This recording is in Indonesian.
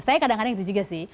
saya kadang kadang itu juga sih